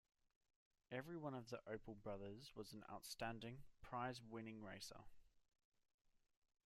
Every one of the Opel brothers was an outstanding, prize-winning racer.